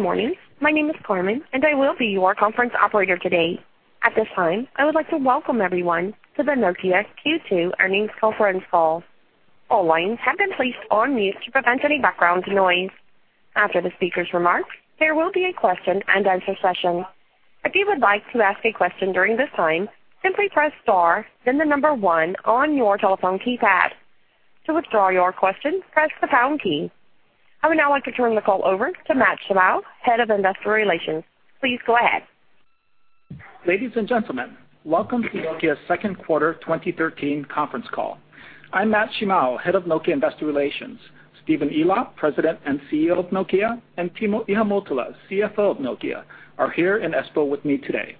Good morning. My name is Carmen, and I will be your conference operator today. At this time, I would like to welcome everyone to the Nokia Q2 earnings conference call. All lines have been placed on mute to prevent any background noise. After the speaker's remarks, there will be a question-and-answer session. If you would like to ask a question during this time, simply press star, then the number one on your telephone keypad. To withdraw your question, press the pound key. I would now like to turn the call over to Matt Shimao, head of investor relations. Please go ahead. Ladies and gentlemen, welcome to Nokia's second quarter 2013 conference call. I'm Matt Shimao, head of Nokia investor relations. Stephen Elop, president and CEO of Nokia, and Timo Ihamuotila, CFO of Nokia, are here in Espoo with me today.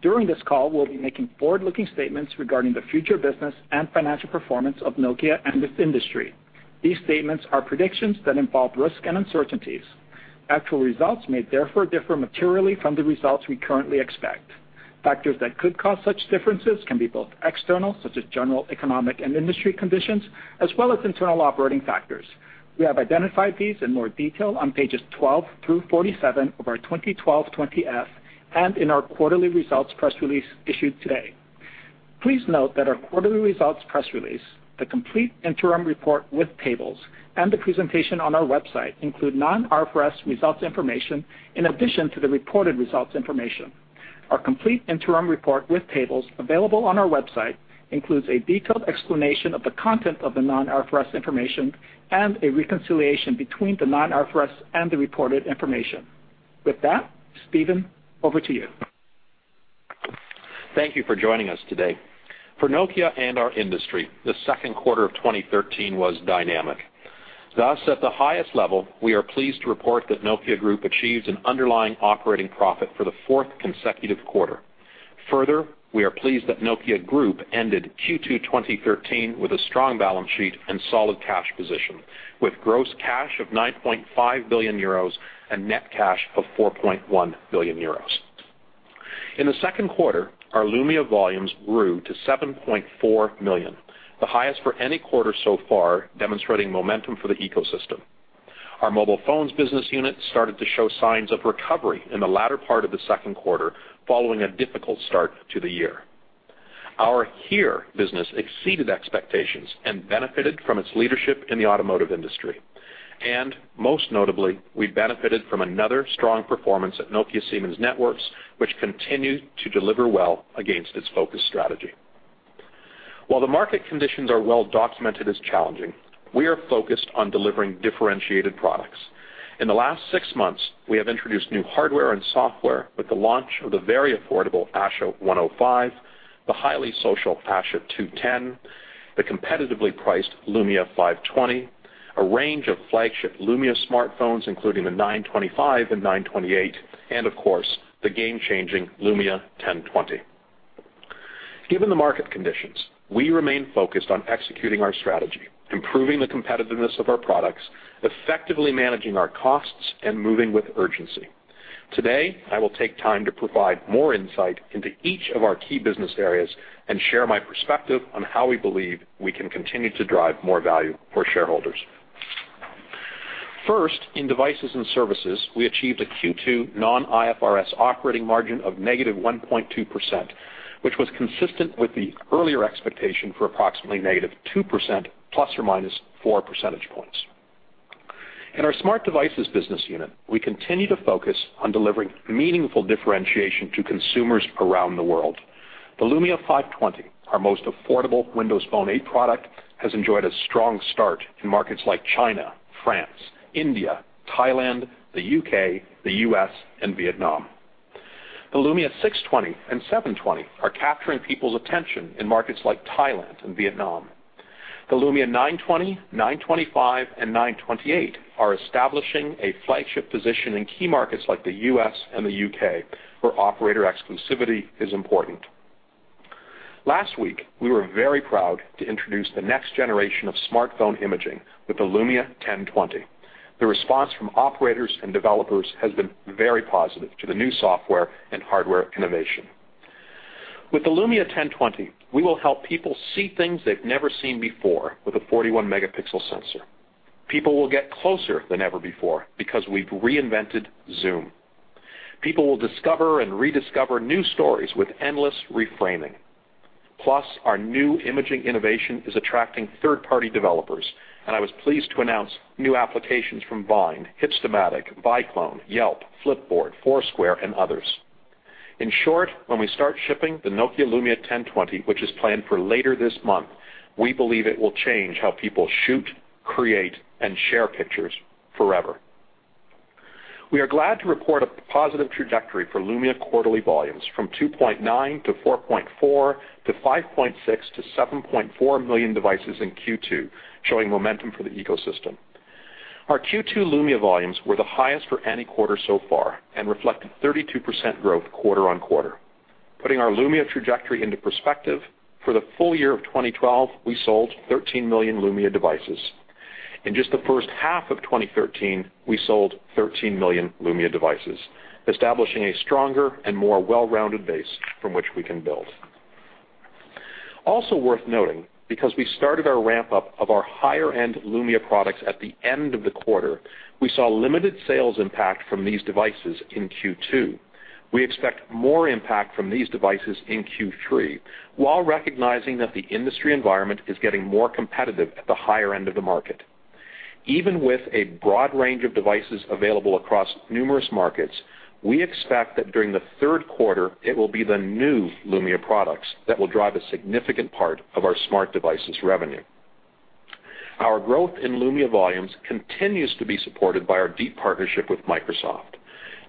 During this call, we'll be making forward-looking statements regarding the future business and financial performance of Nokia and its industry. These statements are predictions that involve risk and uncertainties. Actual results may therefore differ materially from the results we currently expect. Factors that could cause such differences can be both external, such as general economic and industry conditions, as well as internal operating factors. We have identified these in more detail on pages 12 through 47 of our 2012-20F and in our quarterly results press release issued today. Please note that our quarterly results press release, the complete interim report with tables, and the presentation on our website include non-IFRS results information in addition to the reported results information. Our complete interim report with tables available on our website includes a detailed explanation of the content of the non-IFRS information and a reconciliation between the non-IFRS and the reported information. With that, Stephen, over to you. Thank you for joining us today. For Nokia and our industry, the second quarter of 2013 was dynamic. Thus, at the highest level, we are pleased to report that Nokia Group achieved an underlying operating profit for the fourth consecutive quarter. Further, we are pleased that Nokia Group ended Q2 2013 with a strong balance sheet and solid cash position, with gross cash of 9.5 billion euros and net cash of 4.1 billion euros. In the second quarter, our Lumia volumes grew to 7.4 million, the highest for any quarter so far, demonstrating momentum for the ecosystem. Our Mobile Phones business unit started to show signs of recovery in the latter part of the second quarter following a difficult start to the year. Our HERE business exceeded expectations and benefited from its leadership in the automotive industry. And most notably, we benefited from another strong performance at Nokia Siemens Networks, which continued to deliver well against its focus strategy. While the market conditions are well documented as challenging, we are focused on delivering differentiated products. In the last six months, we have introduced new hardware and software with the launch of the very affordable Asha 105, the highly social Asha 210, the competitively priced Lumia 520, a range of flagship Lumia smartphones including the 925 and 928, and of course, the game-changing Lumia 1020. Given the market conditions, we remain focused on executing our strategy, improving the competitiveness of our products, effectively managing our costs, and moving with urgency. Today, I will take time to provide more insight into each of our key business areas and share my perspective on how we believe we can continue to drive more value for shareholders. First, in devices and services, we achieved a Q2 non-IFRS operating margin of -1.2%, which was consistent with the earlier expectation for approximately -2% plus or minus four percentage points. In our smart devices business unit, we continue to focus on delivering meaningful differentiation to consumers around the world. The Lumia 520, our most affordable Windows Phone 8 product, has enjoyed a strong start in markets like China, France, India, Thailand, the UK, the US, and Vietnam. The Lumia 620 and 720 are capturing people's attention in markets like Thailand and Vietnam. The Lumia 920, 925, and 928 are establishing a flagship position in key markets like the US and the UK, where operator exclusivity is important. Last week, we were very proud to introduce the next generation of smartphone imaging with the Lumia 1020. The response from operators and developers has been very positive to the new software and hardware innovation. With the Lumia 1020, we will help people see things they've never seen before with a 41 megapixel sensor. People will get closer than ever before because we've reinvented zoom. People will discover and rediscover new stories with endless reframing. Plus, our new imaging innovation is attracting third-party developers, and I was pleased to announce new applications from Vine, Hipstamatic, Vyclone, Yelp, Flipboard, Foursquare, and others. In short, when we start shipping the Nokia Lumia 1020, which is planned for later this month, we believe it will change how people shoot, create, and share pictures forever. We are glad to report a positive trajectory for Lumia quarterly volumes from 2.9 to 4.4 to 5.6 to 7.4 million devices in Q2, showing momentum for the ecosystem. Our Q2 Lumia volumes were the highest for any quarter so far and reflected 32% growth quarter-over-quarter. Putting our Lumia trajectory into perspective, for the full year of 2012, we sold 13 million Lumia devices. In just the first half of 2013, we sold 13 million Lumia devices, establishing a stronger and more well-rounded base from which we can build. Also worth noting, because we started our ramp-up of our higher-end Lumia products at the end of the quarter, we saw limited sales impact from these devices in Q2. We expect more impact from these devices in Q3 while recognizing that the industry environment is getting more competitive at the higher end of the market. Even with a broad range of devices available across numerous markets, we expect that during the third quarter, it will be the new Lumia products that will drive a significant part of our smart devices revenue. Our growth in Lumia volumes continues to be supported by our deep partnership with Microsoft.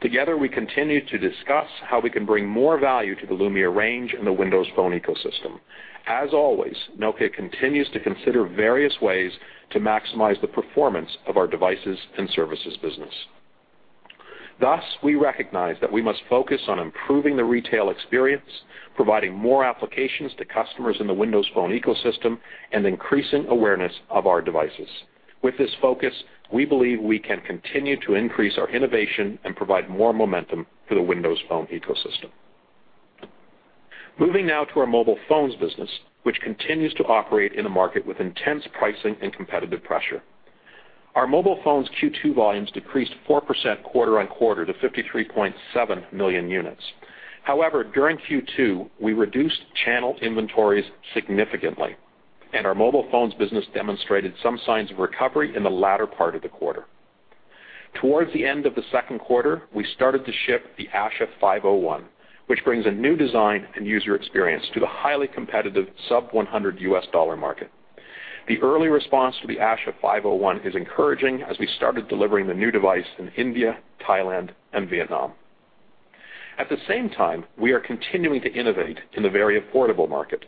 Together, we continue to discuss how we can bring more value to the Lumia range and the Windows Phone ecosystem. As always, Nokia continues to consider various ways to maximize the performance of our devices and services business. Thus, we recognize that we must focus on improving the retail experience, providing more applications to customers in the Windows Phone Ecosystem, and increasing awareness of our devices. With this focus, we believe we can continue to increase our innovation and provide more momentum for the Windows Phone ecosystem. Moving now to our mobile phones business, which continues to operate in a market with intense pricing and competitive pressure. Our mobile phones Q2 volumes decreased 4% quarter-over-quarter to 53.7 million units. However, during Q2, we reduced channel inventories significantly, and our mobile phones business demonstrated some signs of recovery in the latter part of the quarter. Towards the end of the second quarter, we started to ship the Asha 501, which brings a new design and user experience to the highly competitive sub-$100 market. The early response to the Asha 501 is encouraging as we started delivering the new device in India, Thailand, and Vietnam. At the same time, we are continuing to innovate in the very affordable market.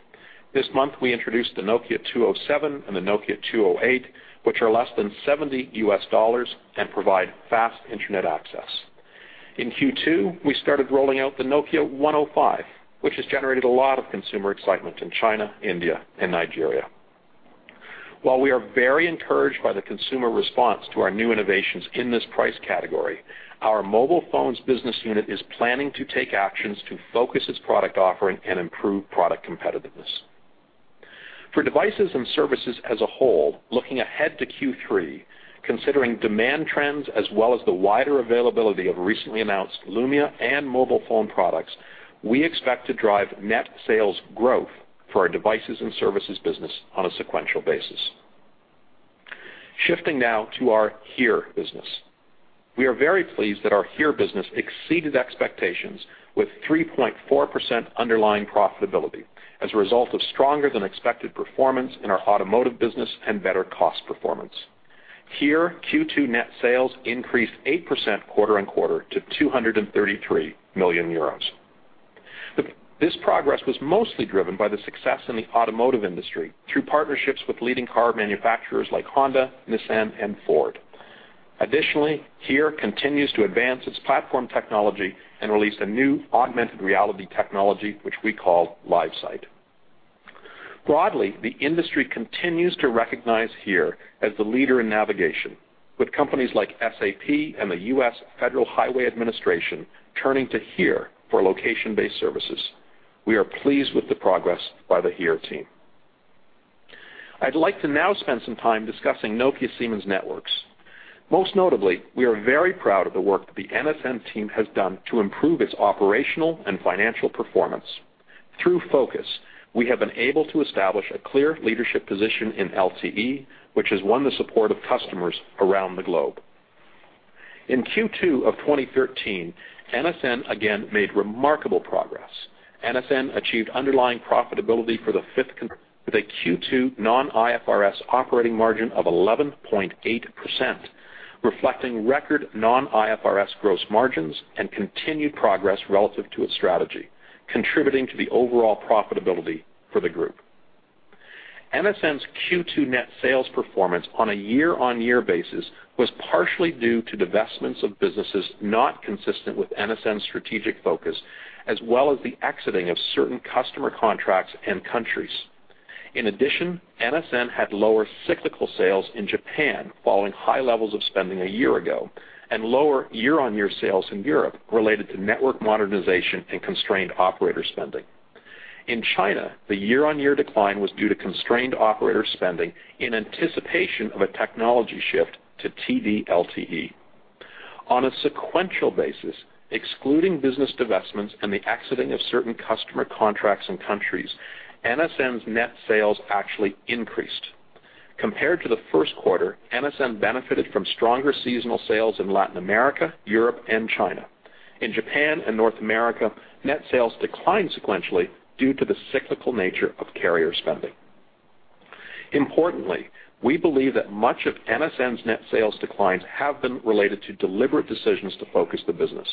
This month, we introduced the Asha 207 and the Asha 208, which are less than $70 and provide fast internet access. In Q2, we started rolling out the Nokia 105, which has generated a lot of consumer excitement in China, India, and Nigeria. While we are very encouraged by the consumer response to our new innovations in this price category, our mobile phones business unit is planning to take actions to focus its product offering and improve product competitiveness. For devices and services as a whole, looking ahead to Q3, considering demand trends as well as the wider availability of recently announced Lumia and Mobile Phone products, we expect to drive net sales growth for our devices and services business on a sequential basis. Shifting now to our HERE business. We are very pleased that our HERE business exceeded expectations with 3.4% underlying profitability as a result of stronger-than-expected performance in our automotive business and better cost performance. HERE Q2 net sales increased 8% quarter-over-quarter to 233 million euros. This progress was mostly driven by the success in the automotive industry through partnerships with leading car manufacturers like Honda, Nissan, and Ford. Additionally, HERE continues to advance its platform technology and released a new augmented reality technology, which we call LiveSight. Broadly, the industry continues to recognize HERE as the leader in navigation, with companies like SAP and the U.S. Federal Highway Administration turning to HERE for location-based services. We are pleased with the progress by the HERE team. I'd like to now spend some time discussing Nokia Siemens Networks. Most notably, we are very proud of the work that the NSN team has done to improve its operational and financial performance. Through focus, we have been able to establish a clear leadership position in LTE, which has won the support of customers around the globe. In Q2 of 2013, NSN again made remarkable progress. NSN achieved underlying profitability for the fifth with a Q2 Non-IFRS operating margin of 11.8%, reflecting record Non-IFRS gross margins and continued progress relative to its strategy, contributing to the overall profitability for the group. NSN's Q2 net sales performance on a year-on-year basis was partially due to divestments of businesses not consistent with NSN's strategic focus, as well as the exiting of certain customer contracts and countries. In addition, NSN had lower cyclical sales in Japan following high levels of spending a year ago and lower year-on-year sales in Europe related to network modernization and constrained operator spending. In China, the year-on-year decline was due to constrained operator spending in anticipation of a technology shift to TD-LTE. On a sequential basis, excluding business divestments and the exiting of certain customer contracts and countries, NSN's net sales actually increased. Compared to the first quarter, NSN benefited from stronger seasonal sales in Latin America, Europe, and China. In Japan and North America, net sales declined sequentially due to the cyclical nature of carrier spending. Importantly, we believe that much of NSN's net sales declines have been related to deliberate decisions to focus the business.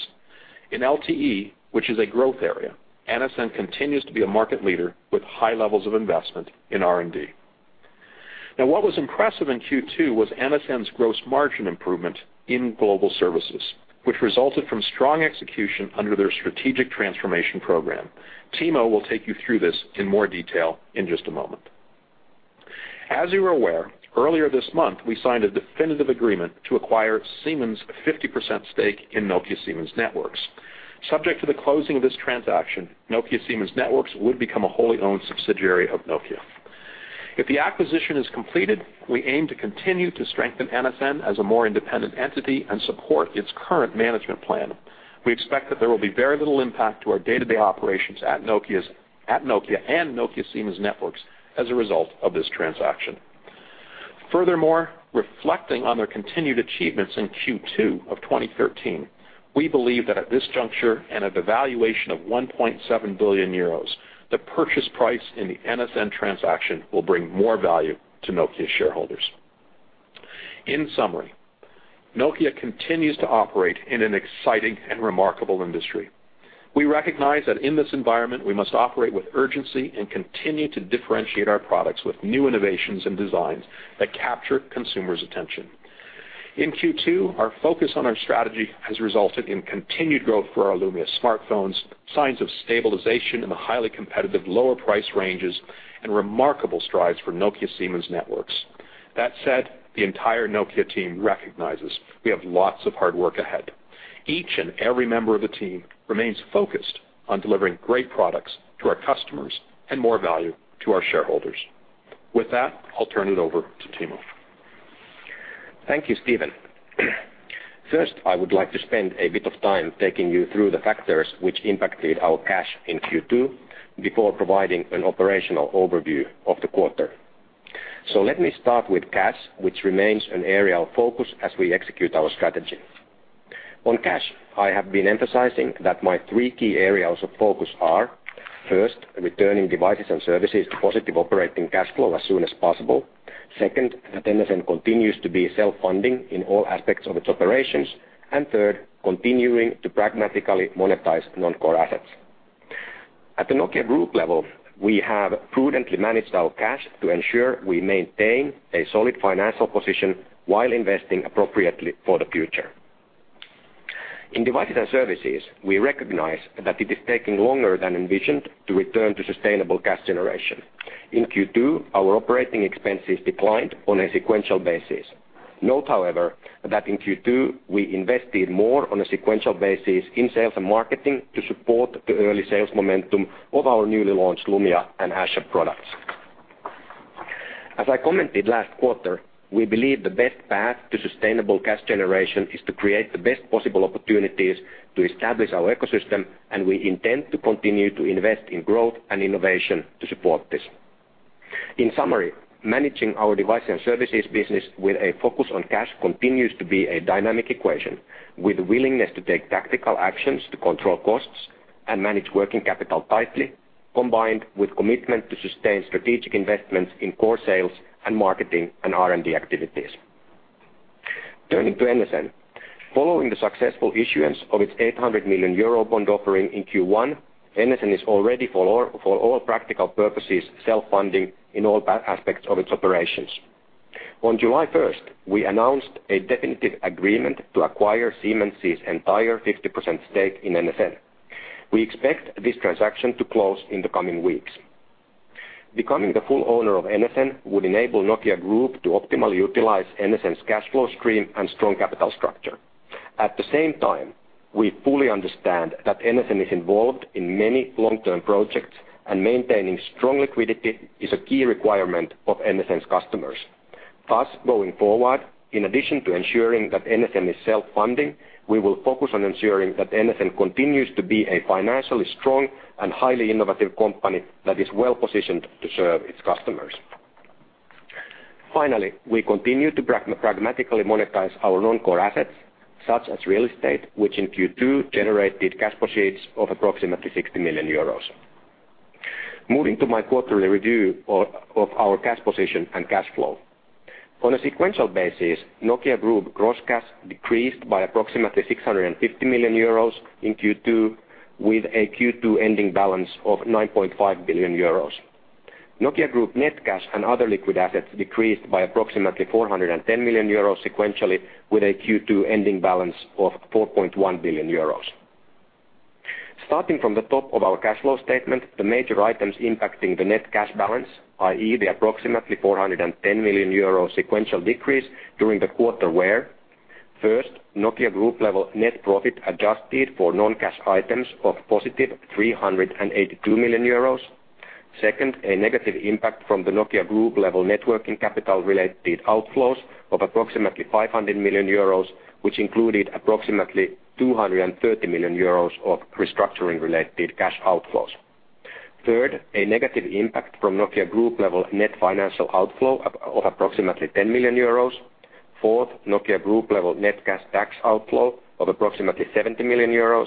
In LTE, which is a growth area, NSN continues to be a market leader with high levels of investment in R&D. Now, what was impressive in Q2 was NSN's gross margin improvement in global services, which resulted from strong execution under their strategic transformation program. Timo will take you through this in more detail in just a moment. As you are aware, earlier this month, we signed a definitive agreement to acquire Siemens' 50% stake in Nokia Siemens Networks. Subject to the closing of this transaction, Nokia Siemens Networks would become a wholly owned subsidiary of Nokia. If the acquisition is completed, we aim to continue to strengthen NSN as a more independent entity and support its current management plan. We expect that there will be very little impact to our day-to-day operations at Nokia and Nokia Siemens Networks as a result of this transaction. Furthermore, reflecting on their continued achievements in Q2 of 2013, we believe that at this juncture and at the valuation of 1.7 billion euros, the purchase price in the NSN transaction will bring more value to Nokia shareholders. In summary, Nokia continues to operate in an exciting and remarkable industry. We recognize that in this environment, we must operate with urgency and continue to differentiate our products with new innovations and designs that capture consumers' attention. In Q2, our focus on our strategy has resulted in continued growth for our Lumia smartphones, signs of stabilization in the highly competitive lower price ranges, and remarkable strides for Nokia Siemens Networks. That said, the entire Nokia team recognizes we have lots of hard work ahead. Each and every member of the team remains focused on delivering great products to our customers and more value to our shareholders. With that, I'll turn it over to Timo. Thank you, Stephen. First, I would like to spend a bit of time taking you through the factors which impacted our cash in Q2 before providing an operational overview of the quarter. So let me start with cash, which remains an area of focus as we execute our strategy. On cash, I have been emphasizing that my three key areas of focus are first, returning devices and services to positive operating cash flow as soon as possible; second, that NSN continues to be self-funding in all aspects of its operations; and third, continuing to pragmatically monetize non-core assets. At the Nokia Group level, we have prudently managed our cash to ensure we maintain a solid financial position while investing appropriately for the future. In devices and services, we recognize that it is taking longer than envisioned to return to sustainable cash generation. In Q2, our operating expenses declined on a sequential basis. Note, however, that in Q2, we invested more on a sequential basis in sales and marketing to support the early sales momentum of our newly launched Lumia and Asha products. As I commented last quarter, we believe the best path to sustainable cash generation is to create the best possible opportunities to establish our ecosystem, and we intend to continue to invest in growth and innovation to support this. In summary, managing our device and services business with a focus on cash continues to be a dynamic equation with the willingness to take tactical actions to control costs and manage working capital tightly, combined with commitment to sustained strategic investments in core sales and marketing and R&D activities. Turning to NSN, following the successful issuance of its 800 million euro bond offering in Q1, NSN is already for all practical purposes self-funding in all aspects of its operations. On July 1st, we announced a definitive agreement to acquire Siemens's entire 50% stake in NSN. We expect this transaction to close in the coming weeks. Becoming the full owner of NSN would enable Nokia Group to optimally utilize NSN's cash flow stream and strong capital structure. At the same time, we fully understand that NSN is involved in many long-term projects, and maintaining strong liquidity is a key requirement of NSN's customers. Thus, going forward, in addition to ensuring that NSN is self-funding, we will focus on ensuring that NSN continues to be a financially strong and highly innovative company that is well-positioned to serve its customers. Finally, we continue to pragmatically monetize our non-core assets, such as real estate, which in Q2 generated cash proceeds of approximately 60 million euros. Moving to my quarterly review of our cash position and cash flow. On a sequential basis, Nokia Group gross cash decreased by approximately 650 million euros in Q2, with a Q2 ending balance of 9.5 billion euros. Nokia Group net cash and other liquid assets decreased by approximately 410 million euros sequentially, with a Q2 ending balance of 4.1 billion euros. Starting from the top of our cash flow statement, the major items impacting the net cash balance, i.e., the approximately 410 million euro sequential decrease during the quarter were first, Nokia Group level net profit adjusted for non-cash items of positive 382 million euros. Second, a negative impact from the Nokia Group level working capital related outflows of approximately 500 million euros, which included approximately 230 million euros of restructuring related cash outflows. Third, a negative impact from Nokia Group level net financial outflow of approximately 10 million euros. Fourth, Nokia Group level net cash tax outflow of approximately 70 million euros.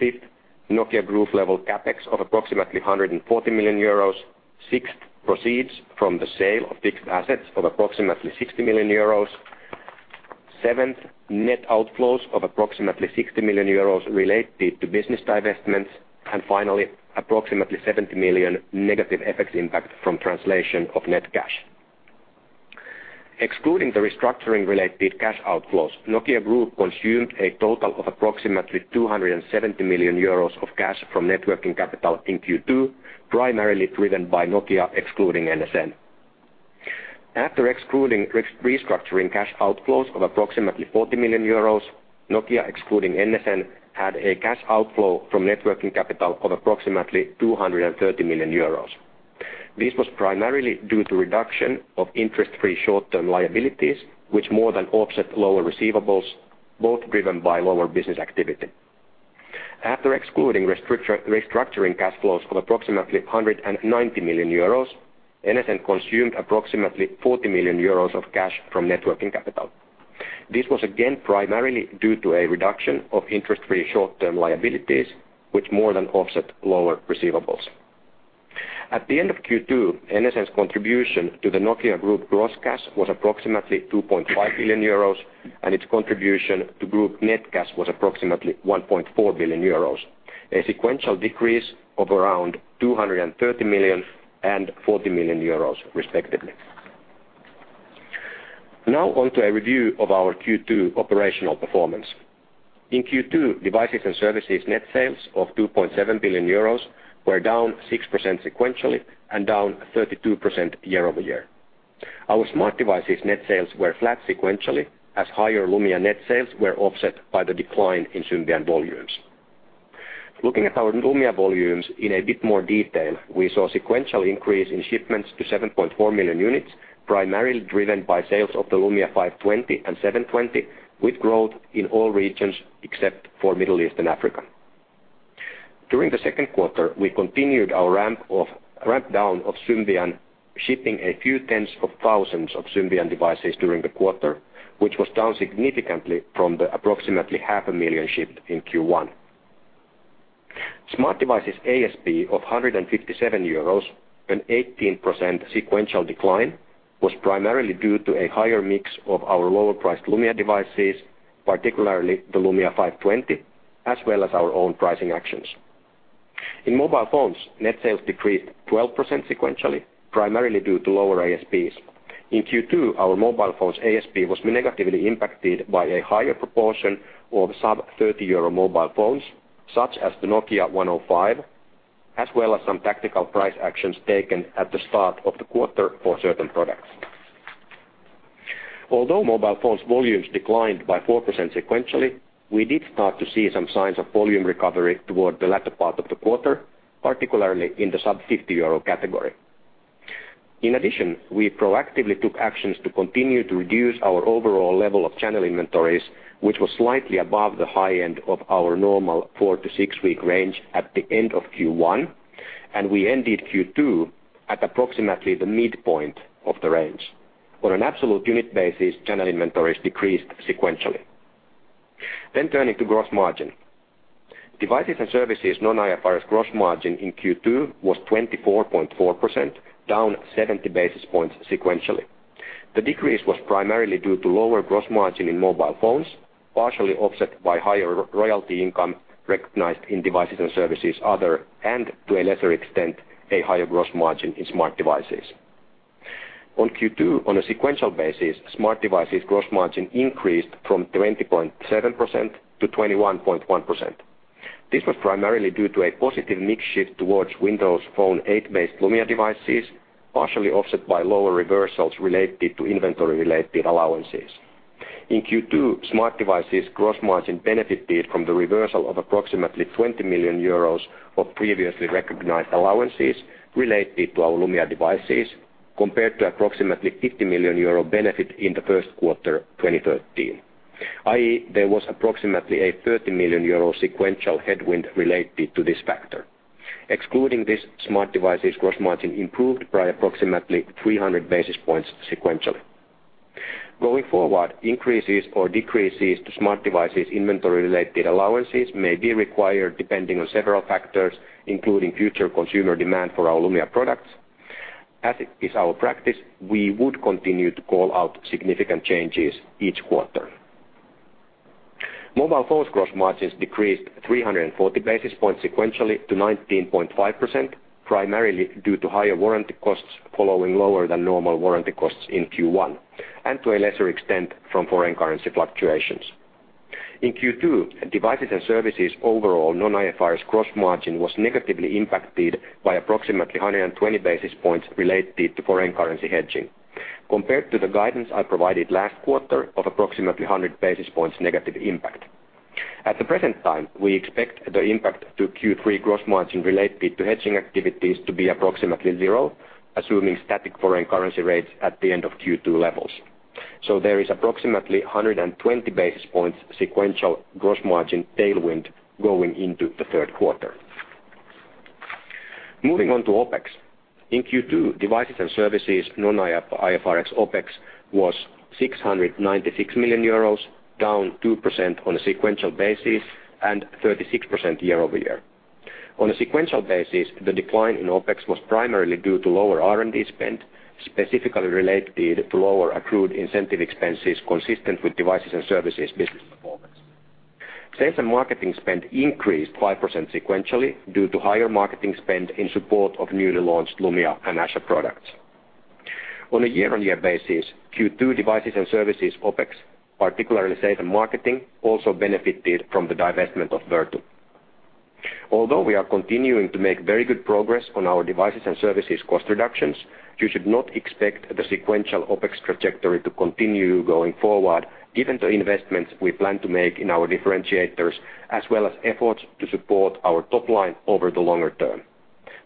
Fifth, Nokia Group level CapEx of approximately 140 million euros. Sixth, proceeds from the sale of fixed assets of approximately 60 million euros. Seventh, net outflows of approximately 60 million euros related to business divestments. And finally, approximately 70 million negative effects impact from translation of net cash. Excluding the restructuring related cash outflows, Nokia Group consumed a total of approximately 270 million euros of cash from net working capital in Q2, primarily driven by Nokia excluding NSN. After excluding restructuring cash outflows of approximately 40 million euros, Nokia excluding NSN had a cash outflow from net working capital of approximately 230 million euros. This was primarily due to reduction of interest-free short-term liabilities, which more than offset lower receivables, both driven by lower business activity. After excluding restructuring cash flows of approximately 190 million euros, NSN consumed approximately 40 million euros of cash from net working capital. This was again primarily due to a reduction of interest-free short-term liabilities, which more than offset lower receivables. At the end of Q2, NSN's contribution to the Nokia Group gross cash was approximately 2.5 billion euros, and its contribution to Group net cash was approximately 1.4 billion euros, a sequential decrease of around 230 million-40 million euros, respectively. Now onto a review of our Q2 operational performance. In Q2, devices and services net sales of 2.7 billion euros were down 6% sequentially and down 32% year over year. Our Smart Devices net sales were flat sequentially, as higher Lumia net sales were offset by the decline in Symbian volumes. Looking at our Lumia volumes in a bit more detail, we saw a sequential increase in shipments to 7.4 million units, primarily driven by sales of the Lumia 520 and 720, with growth in all regions except for Middle East and Africa. During the second quarter, we continued our rampdown of Symbian, shipping a few tens of thousands of Symbian devices during the quarter, which was down significantly from the approximately 500,000 shipped in Q1. Smart devices ASP of 157 euros, an 18% sequential decline, was primarily due to a higher mix of our lower-priced Lumia devices, particularly the Lumia 520, as well as our own pricing actions. In mobile phones, net sales decreased 12% sequentially, primarily due to lower ASPs. In Q2, our mobile phones' ASP was negatively impacted by a higher proportion of sub-EUR 30 mobile phones, such as the Nokia 105, as well as some tactical price actions taken at the start of the quarter for certain products. Although mobile phones' volumes declined by 4% sequentially, we did start to see some signs of volume recovery toward the latter part of the quarter, particularly in the sub-EUR 50 category. In addition, we proactively took actions to continue to reduce our overall level of channel inventories, which was slightly above the high end of our normal four to six week range at the end of Q1, and we ended Q2 at approximately the midpoint of the range. On an absolute unit basis, channel inventories decreased sequentially. Then turning to gross margin. Devices and services non-IFRS gross margin in Q2 was 24.4%, down 70 basis points sequentially. The decrease was primarily due to lower gross margin in mobile phones, partially offset by higher royalty income recognized in devices and services other, and to a lesser extent, a higher gross margin in smart devices. On Q2, on a sequential basis, smart devices gross margin increased from 20.7% to 21.1%. This was primarily due to a positive mix shift towards Windows Phone 8 based Lumia devices, partially offset by lower reversals related to inventory-related allowances. In Q2, smart devices gross margin benefited from the reversal of approximately 20 million euros of previously recognized allowances related to our Lumia devices compared to approximately 50 million euro benefit in the first quarter 2013, i.e., there was approximately a 30 million euro sequential headwind related to this factor. Excluding this, smart devices gross margin improved by approximately 300 basis points sequentially. Going forward, increases or decreases to smart devices inventory-related allowances may be required depending on several factors, including future consumer demand for our Lumia products. As it is our practice, we would continue to call out significant changes each quarter. Mobile phones gross margins decreased 340 basis points sequentially to 19.5%, primarily due to higher warranty costs following lower than normal warranty costs in Q1 and to a lesser extent from foreign currency fluctuations. In Q2, devices and services overall non-IFRS gross margin was negatively impacted by approximately 120 basis points related to foreign currency hedging compared to the guidance I provided last quarter of approximately 100 basis points negative impact. At the present time, we expect the impact to Q3 gross margin related to hedging activities to be approximately zero, assuming static foreign currency rates at the end of Q2 levels. So there is approximately 120 basis points sequential gross margin tailwind going into the third quarter. Moving on to OpEx. In Q2, devices and services non-IFRS OpEx was 696 million euros, down 2% on a sequential basis and 36% year-over-year. On a sequential basis, the decline in OpEx was primarily due to lower R&D spend specifically related to lower accrued incentive expenses consistent with devices and services business performance. Sales and marketing spend increased 5% sequentially due to higher marketing spend in support of newly launched Lumia and Asha products. On a year-on-year basis, Q2 devices and services OpEx, particularly sales and marketing, also benefited from the divestment of Vertu. Although we are continuing to make very good progress on our devices and services cost reductions, you should not expect the sequential OpEx trajectory to continue going forward, given the investments we plan to make in our differentiators as well as efforts to support our top line over the longer term.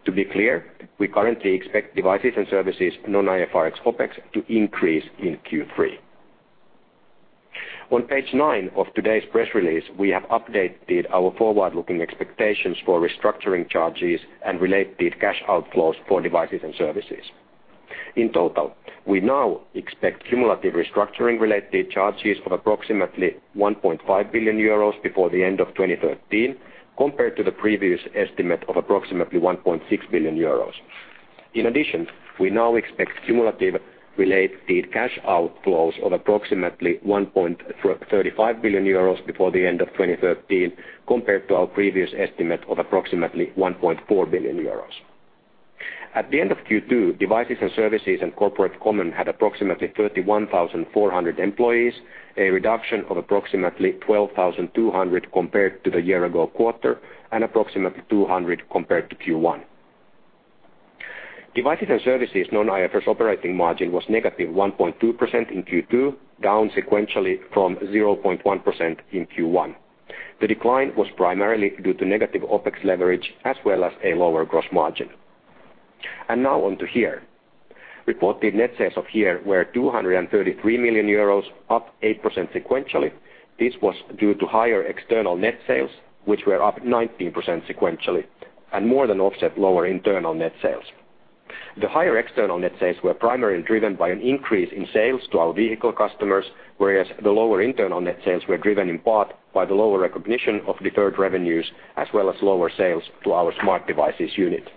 To be clear, we currently expect devices and services non-IFRS OpEx to increase in Q3. On page nine of today's press release, we have updated our forward-looking expectations for restructuring charges and related cash outflows for devices and services. In total, we now expect cumulative restructuring related charges of approximately 1.5 billion euros before the end of 2013 compared to the previous estimate of approximately 1.6 billion euros. In addition, we now expect cumulative related cash outflows of approximately 1.35 billion euros before the end of 2013 compared to our previous estimate of approximately 1.4 billion euros. At the end of Q2, devices and services and corporate common had approximately 31,400 employees, a reduction of approximately 12,200 compared to the year-ago quarter and approximately 200 compared to Q1. Devices and services non-IFRS operating margin was -1.2% in Q2, down sequentially from 0.1% in Q1. The decline was primarily due to negative OpEx leverage as well as a lower gross margin. And now onto HERE. Reported net sales of HERE were 233 million euros up 8% sequentially. This was due to higher external net sales, which were up 19% sequentially and more than offset lower internal net sales. The higher external net sales were primarily driven by an increase in sales to our vehicle customers, whereas the lower internal net sales were driven in part by the lower recognition of deferred revenues as well as lower sales to our Smart Devices unit.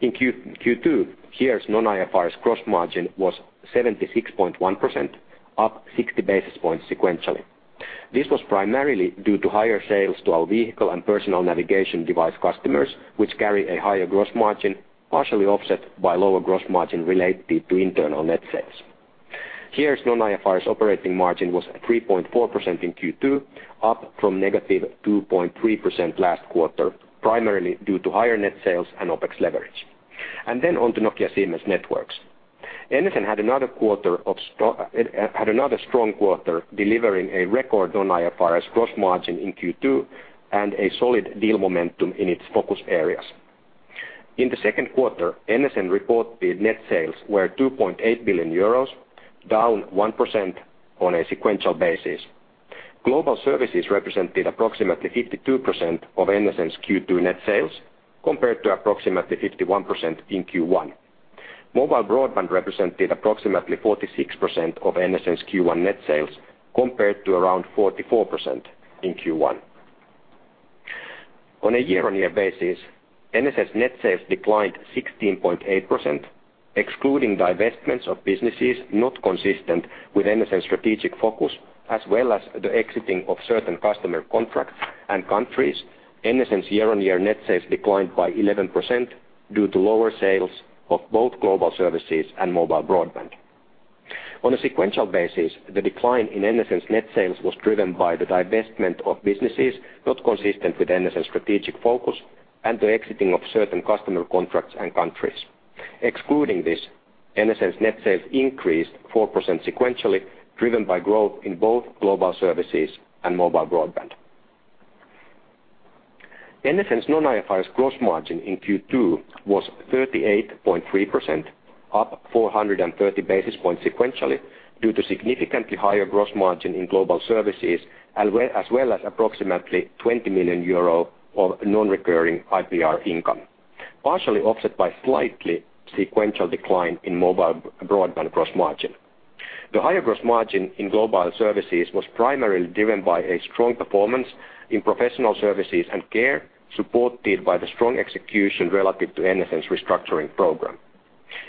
In Q2, HERE's non-IFRS gross margin was 76.1% up 60 basis points sequentially. This was primarily due to higher sales to our vehicle and personal navigation device customers, which carry a higher gross margin, partially offset by lower gross margin related to internal net sales. Year's non-IFRS operating margin was 3.4% in Q2, up from -2.3% last quarter, primarily due to higher net sales and Opex leverage. Then onto Nokia Siemens Networks. NSN had another strong quarter delivering a record Non-IFRS gross margin in Q2 and a solid deal momentum in its focus areas. In the second quarter, NSN reported net sales were 2.8 billion euros, down 1% on a sequential basis. Global services represented approximately 52% of NSN's Q2 net sales compared to approximately 51% in Q1. Mobile broadband represented approximately 46% of NSN's Q1 net sales compared to around 44% in Q1. On a year-over-year basis, NSN's net sales declined 16.8%, excluding divestments of businesses not consistent with NSN's strategic focus, as well as the exiting of certain customer contracts and countries. NSN's year-over-year net sales declined by 11% due to lower sales of both global services and mobile broadband. On a sequential basis, the decline in NSN's net sales was driven by the divestment of businesses not consistent with NSN's strategic focus and the exiting of certain customer contracts and countries. Excluding this, NSN's net sales increased 4% sequentially, driven by growth in both global services and mobile broadband. NSN's non-IFRS gross margin in Q2 was 38.3%, up 430 basis points sequentially due to significantly higher gross margin in global services, as well as approximately 20 million euro of non-recurring IPR income, partially offset by slightly sequential decline in mobile broadband gross margin. The higher gross margin in global services was primarily driven by a strong performance in professional services and care supported by the strong execution relative to NSN's restructuring program.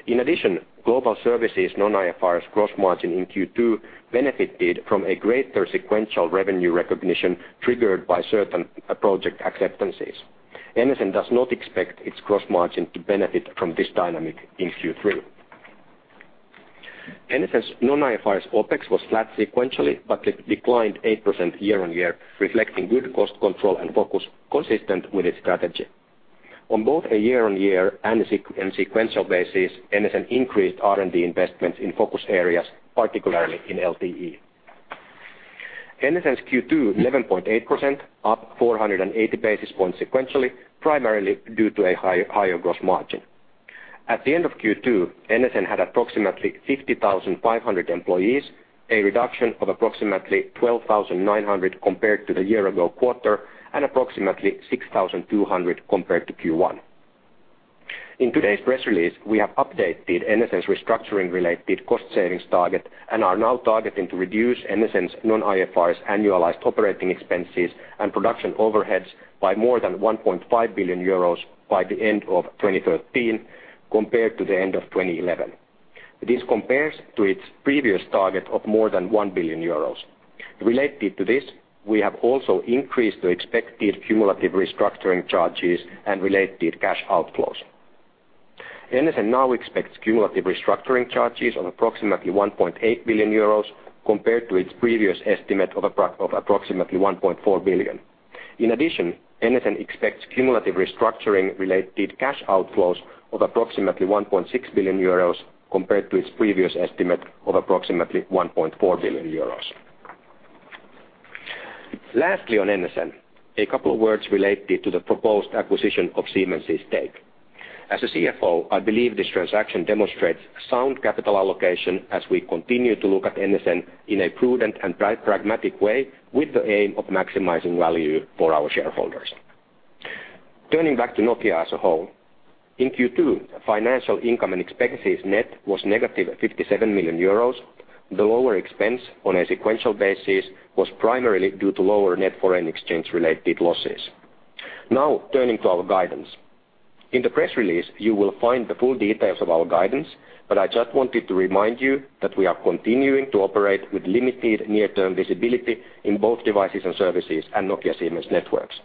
In addition, global services non-IFRS gross margin in Q2 benefited from a greater sequential revenue recognition triggered by certain project acceptances. NSN does not expect its gross margin to benefit from this dynamic in Q3. NSN's non-IFRS OpEx was flat sequentially but declined 8% year on year, reflecting good cost control and focus consistent with its strategy. On both a year-on-year and sequential basis, NSN increased R&D investments in focus areas, particularly in LTE. NSN's Q2 11.8%, up 480 basis points sequentially, primarily due to a higher gross margin. At the end of Q2, NSN had approximately 50,500 employees, a reduction of approximately 12,900 compared to the year-ago quarter and approximately 6,200 compared to Q1. In today's press release, we have updated NSN's restructuring-related cost savings target and are now targeting to reduce NSN's non-IFRS annualized operating expenses and production overheads by more than 1.5 billion euros by the end of 2013 compared to the end of 2011. This compares to its previous target of more than 1 billion euros. Related to this, we have also increased the expected cumulative restructuring charges and related cash outflows. NSN now expects cumulative restructuring charges of approximately 1.8 billion euros compared to its previous estimate of approximately 1.4 billion. In addition, NSN expects cumulative restructuring-related cash outflows of approximately 1.6 billion euros compared to its previous estimate of approximately 1.4 billion euros. Lastly, on NSN, a couple of words related to the proposed acquisition of Siemens' stake. As a CFO, I believe this transaction demonstrates sound capital allocation as we continue to look at NSN in a prudent and pragmatic way with the aim of maximizing value for our shareholders. Turning back to Nokia as a whole, in Q2, financial income and expenses net was negative 57 million euros. The lower expense on a sequential basis was primarily due to lower net foreign exchange-related losses. Now turning to our guidance. In the press release, you will find the full details of our guidance, but I just wanted to remind you that we are continuing to operate with limited near-term visibility in both devices and services and Nokia Siemens Networks.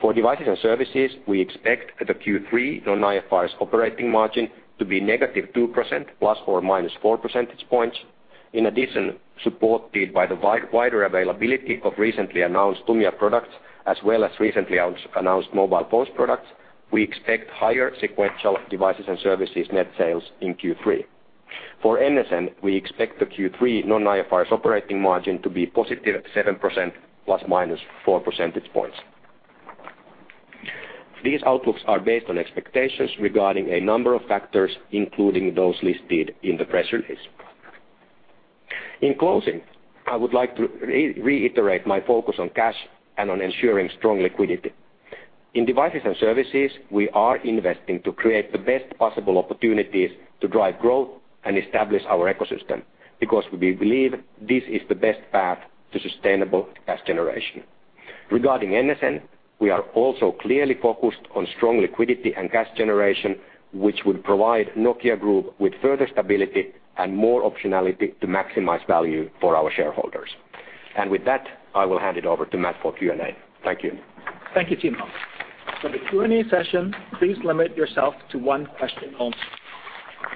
For devices and services, we expect the Q3 Non-IFRS operating margin to be -2% ± 4 percentage points. In addition, supported by the wider availability of recently announced Lumia products as well as recently announced mobile phones products, we expect higher sequential devices and services net sales in Q3. For NSN, we expect the Q3 Non-IFRS operating margin to be positive 7% ± 4 percentage points. These outlooks are based on expectations regarding a number of factors including those listed in the press release. In closing, I would like to reiterate my focus on cash and on ensuring strong liquidity. In devices and services, we are investing to create the best possible opportunities to drive growth and establish our ecosystem because we believe this is the best path to sustainable cash generation. Regarding NSN, we are also clearly focused on strong liquidity and cash generation, which would provide Nokia Group with further stability and more optionality to maximize value for our shareholders. And with that, I will hand it over to Matt for Q&A. Thank you. Thank you, Timo. For the Q&A session, please limit yourself to one question only.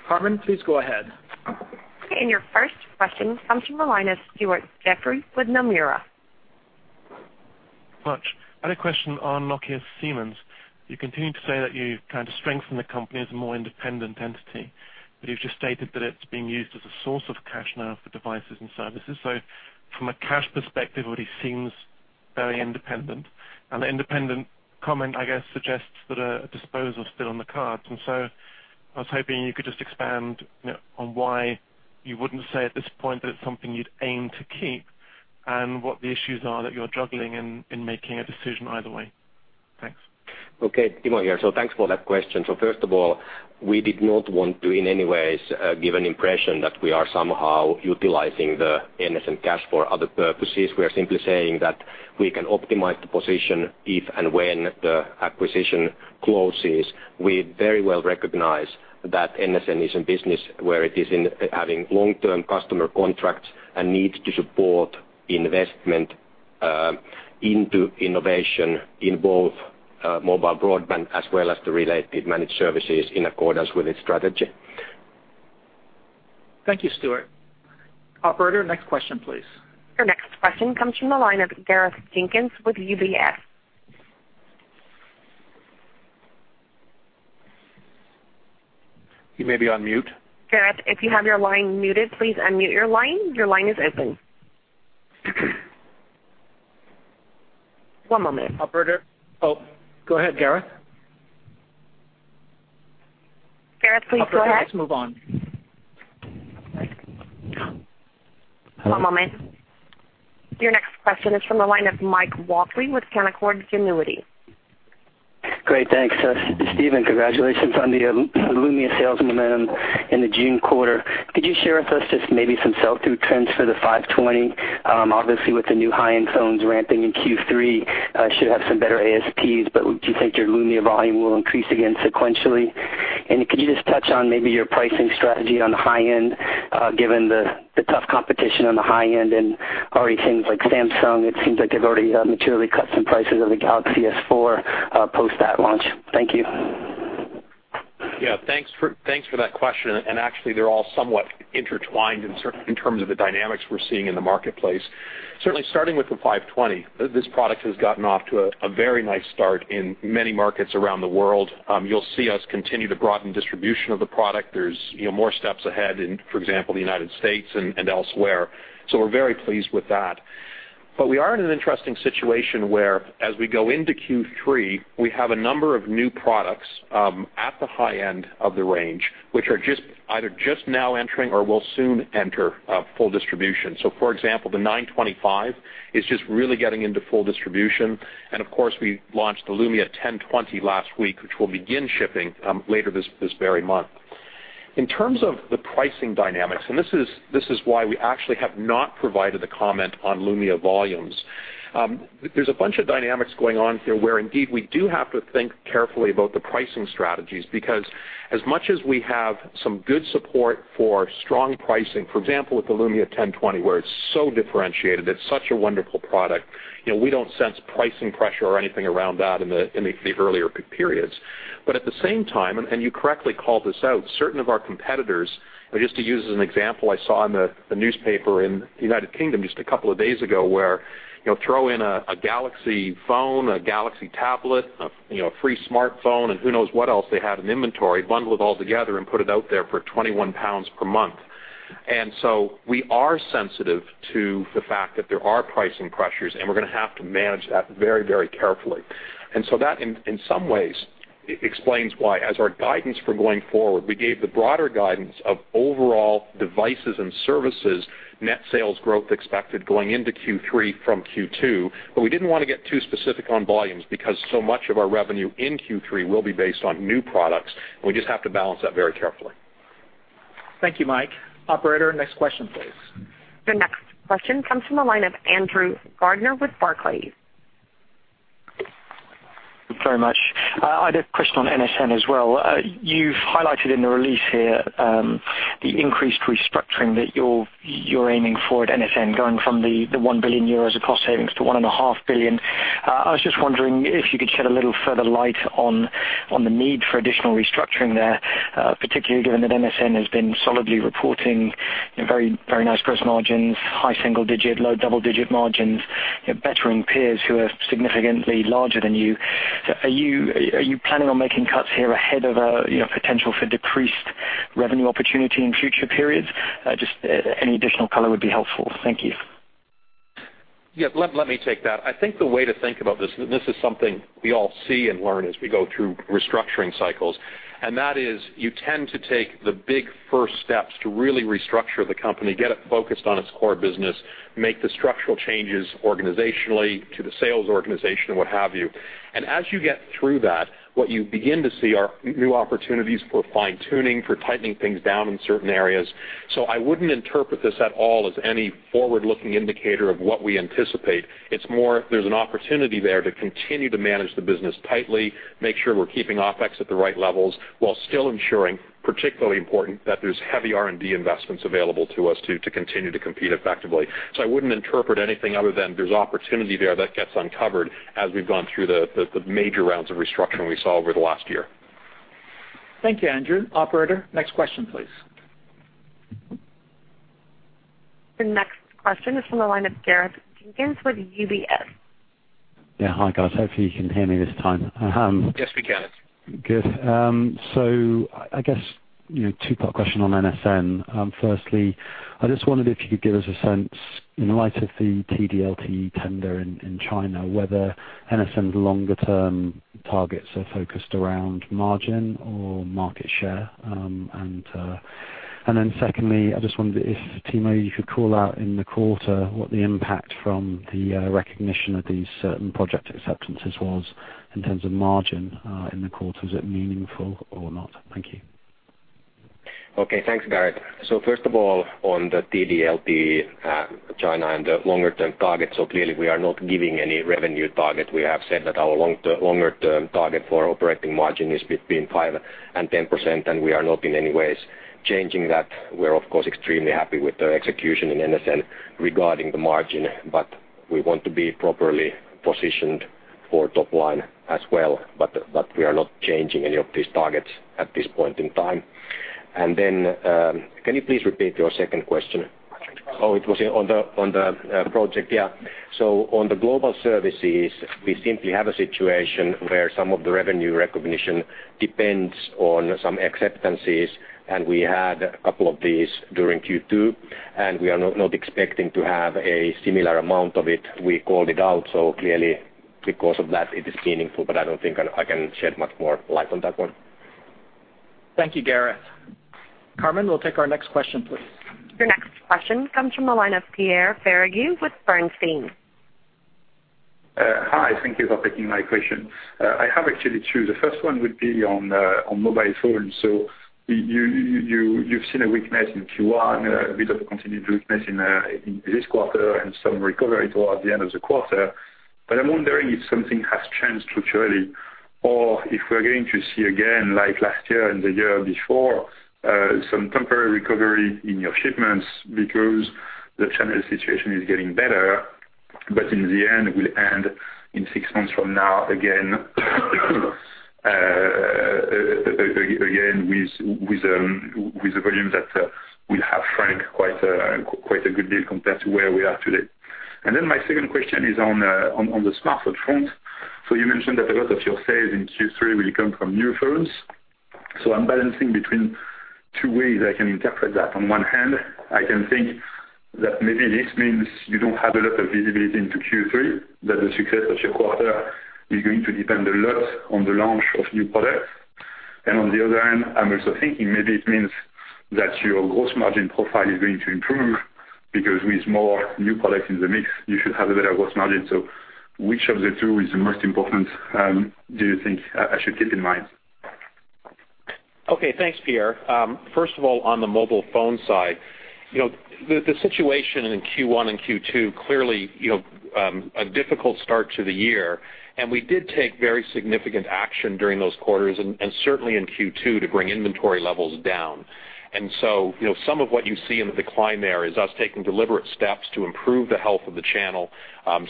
Carmen, please go ahead. In your first question, come to Stuart Jeffrey with Nomura. I had a question on Nokia Siemens. You continue to say that you kind of strengthen the company as a more independent entity, but you've just stated that it's being used as a source of cash now for devices and services. From a cash perspective, it already seems very independent. The independent comment, I guess, suggests that a disposal is still on the cards. I was hoping you could just expand on why you wouldn't say at this point that it's something you'd aim to keep and what the issues are that you're juggling in making a decision either way. Thanks. Okay, Timo Ihamuotila. Thanks for that question. First of all, we did not want to in any ways give an impression that we are somehow utilizing the NSN cash for other purposes. We are simply saying that we can optimize the position if and when the acquisition closes. We very well recognize that NSN is a business where it is having long-term customer contracts and needs to support investment into innovation in both mobile broadband as well as the related managed services in accordance with its strategy. Thank you, Stuart. Operator, next question, please. Your next question comes from the line of Gareth Jenkins with UBS. You may be on mute. Gareth, if you have your line muted, please unmute your line. Your line is open. One moment. Operator, oh, go ahead, Gareth. Gareth, please go ahead. Operator, let's move on. Hello. One moment. Your next question is from the line of Mike Walkley with Canaccord Genuity. Great. Thanks, Stephen. Congratulations on the Lumia sales momentum in the June quarter. Could you share with us just maybe some sell-through trends for the 520? Obviously, with the new high-end phones ramping in Q3, it should have some better ASPs, but do you think your Lumia volume will increase again sequentially? And could you just touch on maybe your pricing strategy on the high end given the tough competition on the high end and already things like Samsung? It seems like they've already materially cut some prices of the Galaxy S4 post-that launch. Thank you. Yeah, thanks for that question. Actually, they're all somewhat intertwined in terms of the dynamics we're seeing in the marketplace. Certainly, starting with the 520, this product has gotten off to a very nice start in many markets around the world. You'll see us continue to broaden distribution of the product. There's more steps ahead in, for example, the United States and elsewhere. So we're very pleased with that. But we are in an interesting situation where, as we go into Q3, we have a number of new products at the high end of the range, which are either just now entering or will soon enter full distribution. So, for example, the 925 is just really getting into full distribution. And of course, we launched the Lumia 1020 last week, which will begin shipping later this very month. In terms of the pricing dynamics, and this is why we actually have not provided the comment on Lumia volumes, there's a bunch of dynamics going on here where, indeed, we do have to think carefully about the pricing strategies because as much as we have some good support for strong pricing, for example, with the Lumia 1020, where it's so differentiated, it's such a wonderful product. We don't sense pricing pressure or anything around that in the earlier periods. But at the same time, and you correctly called this out, certain of our competitors just to use as an example, I saw in the newspaper in the United Kingdom just a couple of days ago where throw in a Galaxy phone, a Galaxy tablet, a free smartphone, and who knows what else they had in inventory, bundle it all together, and put it out there for 21 pounds per month. And so we are sensitive to the fact that there are pricing pressures, and we're going to have to manage that very, very carefully. And so that, in some ways, explains why, as our guidance for going forward, we gave the broader guidance of overall devices and services net sales growth expected going into Q3 from Q2. But we didn't want to get too specific on volumes because so much of our revenue in Q3 will be based on new products, and we just have to balance that very carefully. Thank you, Mike. Operator, next question, please. Your next question comes from the line of Andrew Gardiner with Barclays. Thank you very much. I had a question on NSN as well. You've highlighted in the release here the increased restructuring that you're aiming for at NSN, going from the 1 billion euros of cost savings to 1.5 billion. I was just wondering if you could shed a little further light on the need for additional restructuring there, particularly given that NSN has been solidly reporting very nice gross margins, high single-digit, low double-digit margins, bettering peers who are significantly larger than you. Are you planning on making cuts here ahead of a potential for decreased revenue opportunity in future periods? Just any additional color would be helpful. Thank you. Yeah, let me take that. I think the way to think about this and this is something we all see and learn as we go through restructuring cycles. And that is you tend to take the big first steps to really restructure the company, get it focused on its core business, make the structural changes organizationally to the sales organization, what have you. And as you get through that, what you begin to see are new opportunities for fine-tuning, for tightening things down in certain areas. So I wouldn't interpret this at all as any forward-looking indicator of what we anticipate. It's more there's an opportunity there to continue to manage the business tightly, make sure we're keeping OpEx at the right levels while still ensuring, particularly important, that there's heavy R&D investments available to us to continue to compete effectively. So I wouldn't interpret anything other than there's opportunity there that gets uncovered as we've gone through the major rounds of restructuring we saw over the last year. Thank you, Andrew. Operator, next question, please. Your next question is from the line of Gareth Jenkins with UBS. Yeah, hi, guys. Hopefully, you can hear me this time. Yes, we can. Good. So I guess two-part question on NSN. Firstly, I just wondered if you could give us a sense, in light of the TD-LTE tender in China, whether NSN's longer-term targets are focused around margin or market share. And then secondly, I just wondered if, Timo, you could call out in the quarter what the impact from the recognition of these certain project acceptances was in terms of margin in the quarter. Was it meaningful or not? Thank you. Okay, thanks, Gareth. So first of all, on the TD-LTE, China and the longer-term target, so clearly, we are not giving any revenue target. We have said that our longer-term target for operating margin is between 5%-10%, and we are not in any ways changing that. We're, of course, extremely happy with the execution in NSN regarding the margin, but we want to be properly positioned for top-line as well. But we are not changing any of these targets at this point in time. And then can you please repeat your second question? Oh, it was on the project. Yeah. So on the global services, we simply have a situation where some of the revenue recognition depends on some acceptances. And we had a couple of these during Q2, and we are not expecting to have a similar amount of it. We called it out. So clearly, because of that, it is meaningful, but I don't think I can shed much more light on that one. Thank you, Gareth. Carmen, we'll take our next question, please. Your next question comes from the line of Pierre Ferragu with Bernstein. Hi. Thank you for taking my question. I have actually two. The first one would be on mobile phones. So you've seen a weakness in Q1, a bit of a continued weakness in this quarter, and some recovery towards the end of the quarter. But I'm wondering if something has changed structurally or if we're going to see again, like last year and the year before, some temporary recovery in your shipments because the channel situation is getting better. But in the end, we'll end in six months from now again with the volume that we'll have, frankly, quite a good deal compared to where we are today. And then my second question is on the smartphone front. So you mentioned that a lot of your sales in Q3 will come from new phones. So I'm balancing between two ways I can interpret that. On one hand, I can think that maybe this means you don't have a lot of visibility into Q3, that the success of your quarter is going to depend a lot on the launch of new products. On the other hand, I'm also thinking maybe it means that your gross margin profile is going to improve because with more new products in the mix, you should have a better gross margin. So which of the two is the most important do you think I should keep in mind? Okay, thanks, Pierre. First of all, on the mobile phone side, the situation in Q1 and Q2, clearly, a difficult start to the year. We did take very significant action during those quarters and certainly in Q2 to bring inventory levels down. So some of what you see in the decline there is us taking deliberate steps to improve the health of the channel.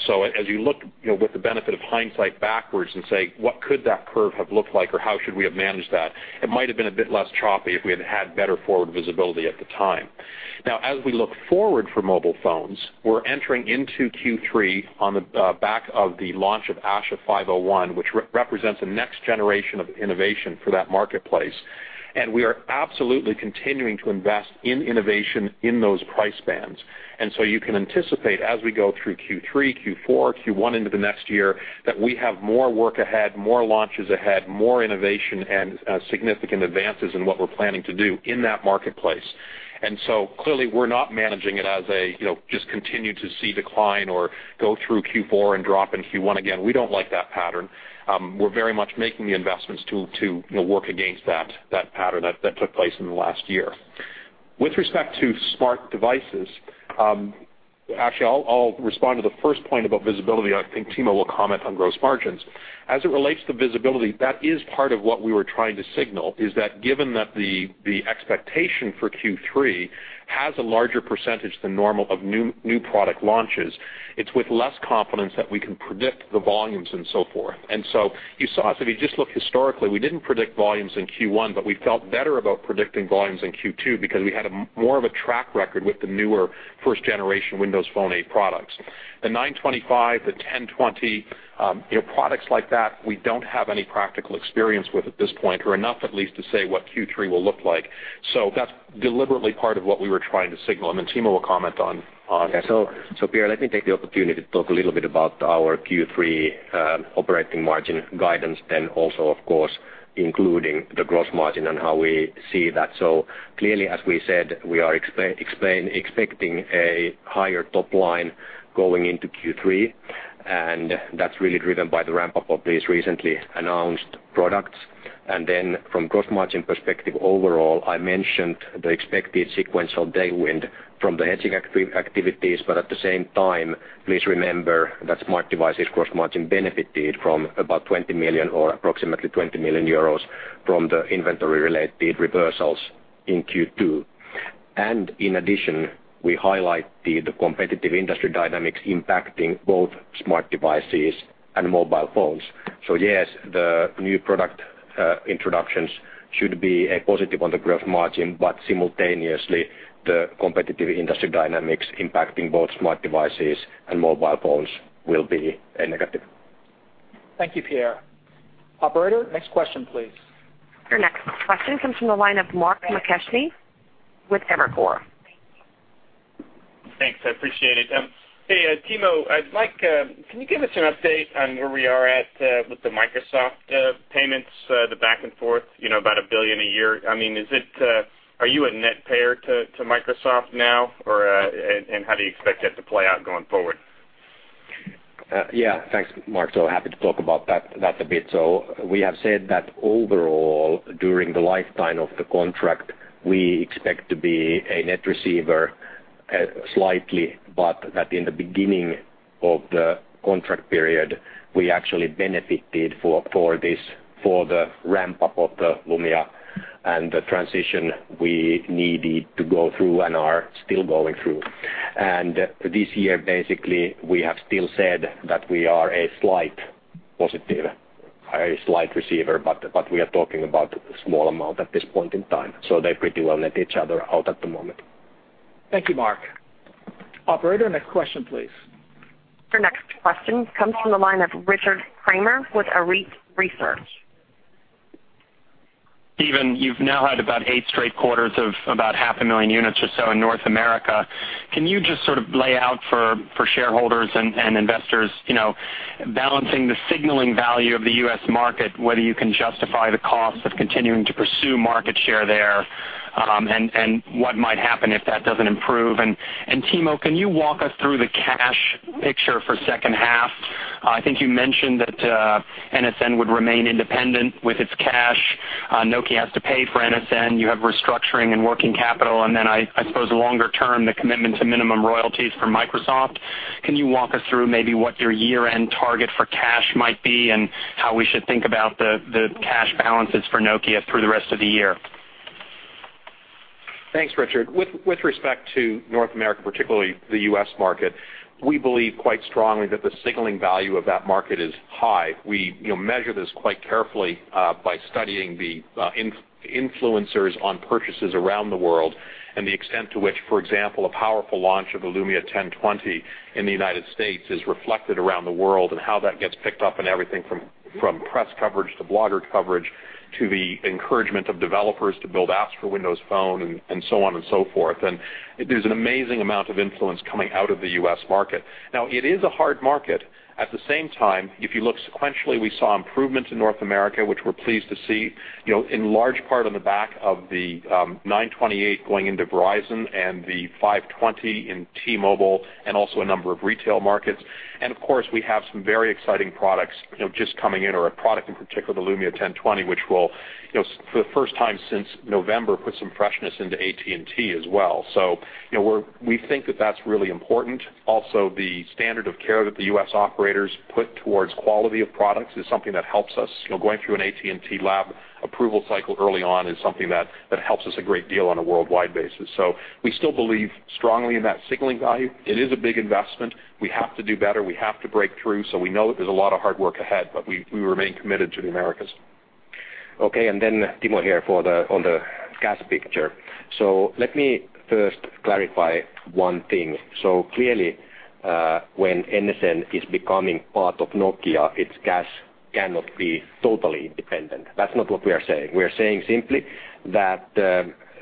So as you look with the benefit of hindsight backwards and say, "What could that curve have looked like, or how should we have managed that?" it might have been a bit less choppy if we had had better forward visibility at the time. Now, as we look forward for mobile phones, we're entering into Q3 on the back of the launch of Asha 501, which represents a next generation of innovation for that marketplace. And we are absolutely continuing to invest in innovation in those price bands. And so you can anticipate, as we go through Q3, Q4, Q1 into the next year, that we have more work ahead, more launches ahead, more innovation, and significant advances in what we're planning to do in that marketplace. And so clearly, we're not managing it as a just continue to see decline or go through Q4 and drop in Q1 again. We don't like that pattern. We're very much making the investments to work against that pattern that took place in the last year. With respect to smart devices actually, I'll respond to the first point about visibility. I think Timo will comment on gross margins. As it relates to visibility, that is part of what we were trying to signal is that given that the expectation for Q3 has a larger percentage than normal of new product launches, it's with less confidence that we can predict the volumes and so forth. And so you saw us, if you just look historically, we didn't predict volumes in Q1, but we felt better about predicting volumes in Q2 because we had more of a track record with the newer first-generation Windows Phone 8 products. The 925, the 1020 products like that, we don't have any practical experience with at this point or enough, at least, to say what Q3 will look like. So that's deliberately part of what we were trying to signal. And then Timo will comment on that. Yeah. So Pierre, let me take the opportunity to talk a little bit about our Q3 operating margin guidance, then also, of course, including the gross margin and how we see that. So clearly, as we said, we are expecting a higher top-line going into Q3. And that's really driven by the ramp-up of these recently announced products. And then from gross margin perspective, overall, I mentioned the expected sequential tailwind from the hedging activities. But at the same time, please remember that Smart devices' gross margin benefited from about 20 million or approximately 20 million euros from the inventory-related reversals in Q2. In addition, we highlighted the competitive industry dynamics impacting both smart devices and mobile phones. So yes, the new product introductions should be a positive on the gross margin, but simultaneously, the competitive industry dynamics impacting both smart devices and mobile phones will be a negative. Thank you, Pierre. Operator, next question, please. Your next question comes from the line of Mark McKechnie with Evercore. Thanks. I appreciate it. Hey, Timo, Mike, can you give us an update on where we are at with the Microsoft payments, the back and forth, about billion a year? I mean, are you a net payer to Microsoft now, and how do you expect that to play out going forward? Yeah, thanks, Mark. So happy to talk about that a bit. So we have said that overall, during the lifetime of the contract, we expect to be a net receiver slightly, but that in the beginning of the contract period, we actually benefited for the ramp-up of the Lumia and the transition we needed to go through and are still going through. And this year, basically, we have still said that we are a slight positive, a slight receiver, but we are talking about a small amount at this point in time. So they pretty well net each other out at the moment. Thank you, Mark. Operator, next question, please. Your next question comes from the line of Richard Kramer with Arete Research. Stephen, you've now had about eight straight quarters of about 500,000 units or so in North America. Can you just sort of lay out for shareholders and investors balancing the signaling value of the U.S. market, whether you can justify the cost of continuing to pursue market share there, and what might happen if that doesn't improve? And Timo, can you walk us through the cash picture for second half? I think you mentioned that NSN would remain independent with its cash. Nokia has to pay for NSN. You have restructuring and working capital. And then I suppose longer-term, the commitment to minimum royalties from Microsoft. Can you walk us through maybe what your year-end target for cash might be and how we should think about the cash balances for Nokia through the rest of the year? Thanks, Richard. With respect to North America, particularly the U.S. market, we believe quite strongly that the signaling value of that market is high. We measure this quite carefully by studying the influencers on purchases around the world and the extent to which, for example, a powerful launch of the Lumia 1020 in the United States is reflected around the world and how that gets picked up in everything from press coverage to blogger coverage to the encouragement of developers to build apps for Windows Phone and so on and so forth. There's an amazing amount of influence coming out of the U.S. market. Now, it is a hard market. At the same time, if you look sequentially, we saw improvement in North America, which we're pleased to see in large part on the back of the 928 going into Verizon and the 520 in T-Mobile and also a number of retail markets. Of course, we have some very exciting products just coming in, or a product in particular, the Lumia 1020, which will, for the first time since November, put some freshness into AT&T as well. We think that that's really important. Also, the standard of care that the U.S. operators put towards quality of products is something that helps us. Going through an AT&T lab approval cycle early on is something that helps us a great deal on a worldwide basis. We still believe strongly in that signaling value. It is a big investment. We have to do better. We have to break through. We know that there's a lot of hard work ahead, but we remain committed to the Americas. Okay. And then Timo here on the cash picture. Let me first clarify one thing. So clearly, when NSN is becoming part of Nokia, its cash cannot be totally independent. That's not what we are saying. We are saying simply that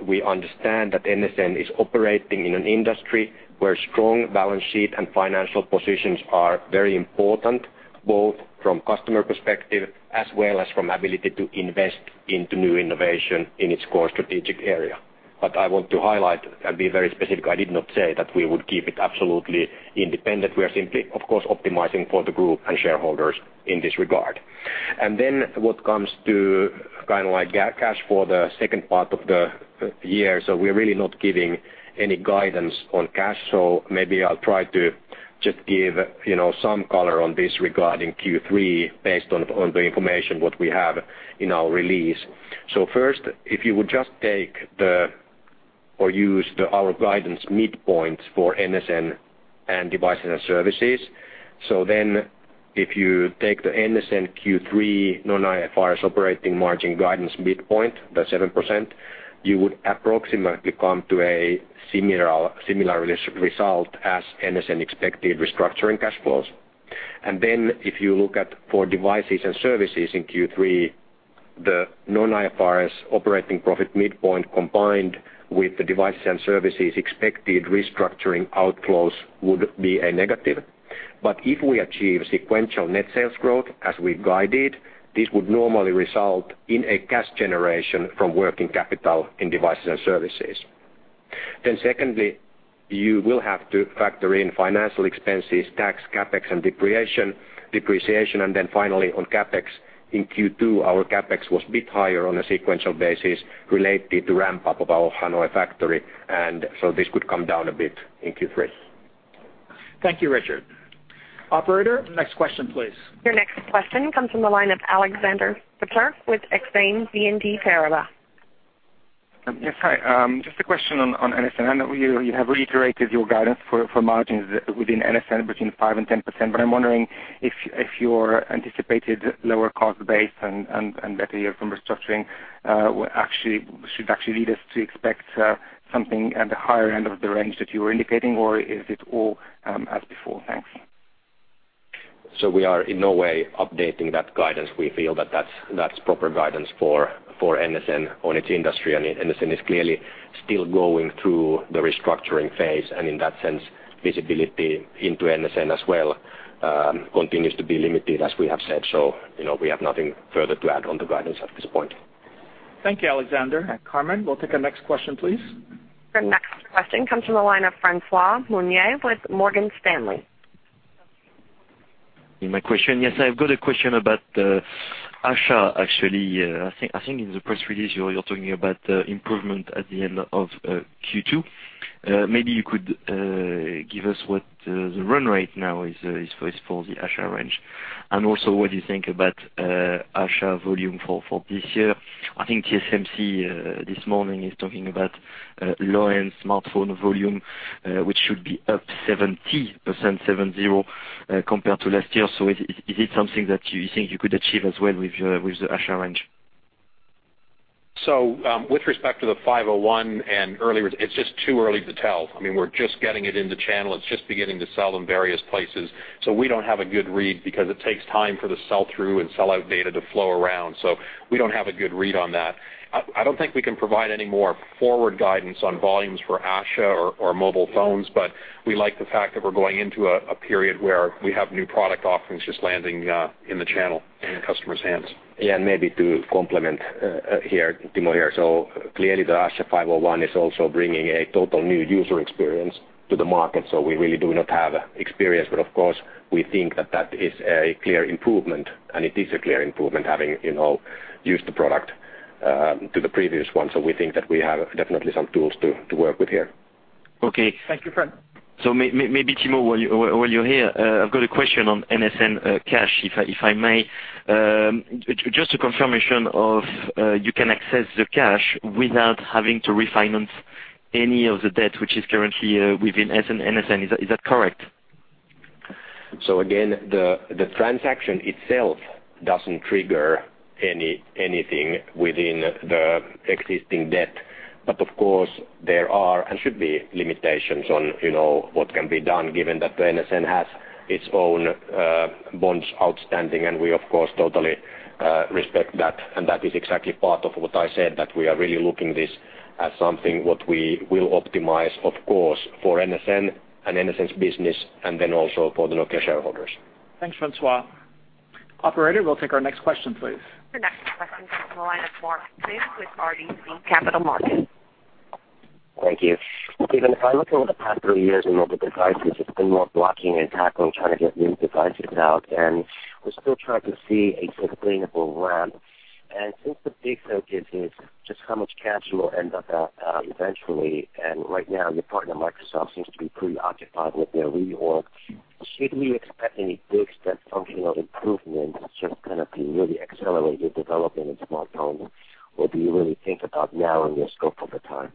we understand that NSN is operating in an industry where strong balance sheet and financial positions are very important, both from customer perspective as well as from ability to invest into new innovation in its core strategic area. But I want to highlight and be very specific. I did not say that we would keep it absolutely independent. We are simply, of course, optimizing for the group and shareholders in this regard. And then what comes to kind of like cash for the second part of the year, so we're really not giving any guidance on cash. So maybe I'll try to just give some color on this regarding Q3 based on the information what we have in our release. So first, if you would just take or use our guidance midpoint for NSN and Devices and Services. So then if you take the NSN Q3 non-IFRS operating margin guidance midpoint, the 7%, you would approximately come to a similar result as NSN expected restructuring cash flows. And then if you look at for Devices and Services in Q3, the non-IFRS operating profit midpoint combined with the Devices and Services expected restructuring outflows would be a negative. But if we achieve sequential net sales growth as we guided, this would normally result in a cash generation from working capital in Devices and Services. Then secondly, you will have to factor in financial expenses, tax, CapEx, and depreciation. And then finally, on CapEx in Q2, our CapEx was a bit higher on a sequential basis related to ramp-up of our Hanoi factory. So this could come down a bit in Q3. Thank you, Richard. Operator, next question, please. Your next question comes from the line of Alexander Peterc with Exane BNP Paribas. Yes, hi. Just a question on NSN. I know you have reiterated your guidance for margins within NSN between 5%-10%. But I'm wondering if your anticipated lower cost base and better year-round restructuring should actually lead us to expect something at the higher end of the range that you were indicating, or is it all as before? Thanks. We are in no way updating that guidance. We feel that that's proper guidance for NSN on its industry. And NSN is clearly still going through the restructuring phase. And in that sense, visibility into NSN as well continues to be limited, as we have said. So we have nothing further to add on the guidance at this point. Thank you, Alexander. Carmen, we'll take our next question, please. Your next question comes from the line of François Meunier with Morgan Stanley. My question, yes, I've got a question about the Asha, actually. I think in the press release, you're talking about improvement at the end of Q2. Maybe you could give us what the run rate now is for the Asha range and also what you think about Asha volume for this year. I think TSMC this morning is talking about low-end smartphone volume, which should be up 70% compared to last year. So is it something that you think you could achieve as well with the Asha range? So with respect to the 501 and earlier, it's just too early to tell. I mean, we're just getting it into channel. It's just beginning to sell in various places. So we don't have a good read because it takes time for the sell-through and sell-out data to flow around. So we don't have a good read on that. I don't think we can provide any more forward guidance on volumes for Asha or mobile phones. But we like the fact that we're going into a period where we have new product offerings just landing in the channel in customers' hands. Yeah. And maybe to complement here, Timo here. So clearly, the Asha 501 is also bringing a total new user experience to the market. So we really do not have experience. But of course, we think that that is a clear improvement. And it is a clear improvement having used the product to the previous one. So we think that we have definitely some tools to work with here. Okay. Thank you, Francois. So maybe, Timo, while you're here, I've got a question on NSN cash, if I may. Just a confirmation of you can access the cash without having to refinance any of the debt, which is currently within NSN. Is that correct? So again, the transaction itself doesn't trigger anything within the existing debt. But of course, there are and should be limitations on what can be done given that NSN has its own bonds outstanding. And we, of course, totally respect that. And that is exactly part of what I said, that we are really looking at this as something what we will optimize, of course, for NSN and NSN's business and then also for the Nokia shareholders. Thanks, François. Operator, we'll take our next question, please. Your next question comes from the line of Mark Sue with RBC Capital Markets. Thank you. Stephen, if I look over the past three years in mobile devices, it's been more blocking and tackling, trying to get new devices out. We're still trying to see a sustainable ramp. Since the big focus is just how much cash will end up eventually, and right now, your partner, Microsoft, seems to be pretty occupied with their reorg, should we expect any big step functional improvements just kind of to really accelerate your development in smartphones? What do you really think about now in your scope of the time?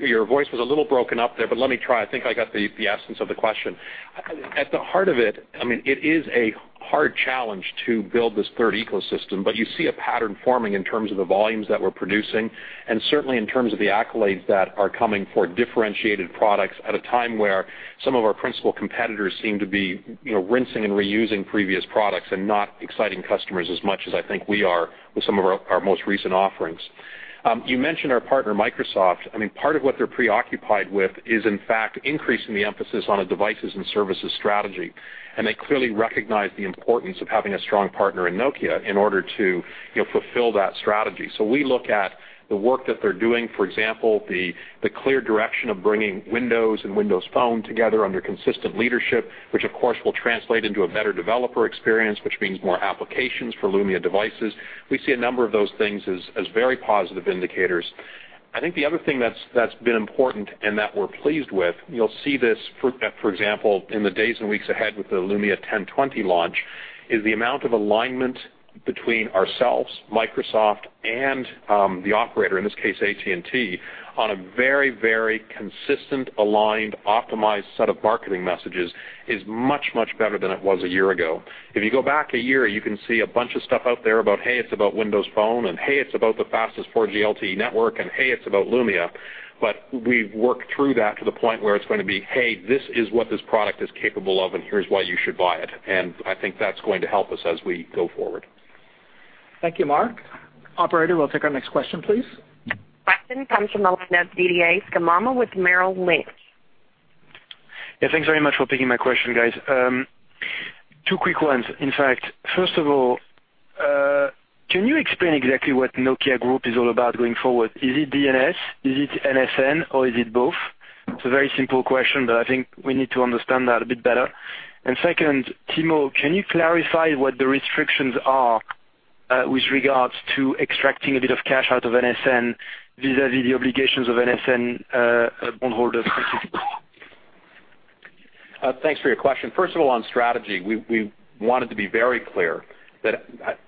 Your voice was a little broken up there, but let me try. I think I got the essence of the question. At the heart of it, I mean, it is a hard challenge to build this third ecosystem. But you see a pattern forming in terms of the volumes that we're producing and certainly in terms of the accolades that are coming for differentiated products at a time where some of our principal competitors seem to be rinsing and reusing previous products and not exciting customers as much as I think we are with some of our most recent offerings. You mentioned our partner, Microsoft. I mean, part of what they're preoccupied with is, in fact, increasing the emphasis on a devices and services strategy. And they clearly recognize the importance of having a strong partner in Nokia in order to fulfill that strategy. So we look at the work that they're doing, for example, the clear direction of bringing Windows and Windows Phone together under consistent leadership, which, of course, will translate into a better developer experience, which means more applications for Lumia devices. We see a number of those things as very positive indicators. I think the other thing that's been important and that we're pleased with - you'll see this, for example, in the days and weeks ahead with the Lumia 1020 launch - is the amount of alignment between ourselves, Microsoft, and the operator, in this case, AT&T, on a very, very consistent, aligned, optimized set of marketing messages is much, much better than it was a year ago. If you go back a year, you can see a bunch of stuff out there about, "Hey, it's about Windows Phone." And, "Hey, it's about the fastest 4G LTE network." And, "Hey, it's about Lumia." But we've worked through that to the point where it's going to be, "Hey, this is what this product is capable of, and here's why you should buy it." And I think that's going to help us as we go forward. Thank you, Mark. Operator, we'll take our next question, please. Question comes from the line of Didier Scemama with Merrill Lynch. Yeah. Thanks very much for picking my question, guys. Two quick ones. In fact, first of all, can you explain exactly what Nokia Group is all about going forward? Is it D&S? Is it NSN? Or is it both? It's a very simple question, but I think we need to understand that a bit better. And second, Timo, can you clarify what the restrictions are with regards to extracting a bit of cash out of NSN vis-à-vis the obligations of NSN bondholders? Thank you. Thanks for your question. First of all, on strategy, we wanted to be very clear that